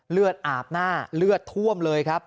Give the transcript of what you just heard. เลือดอาบหน้าเลือดท่วมเลยครับ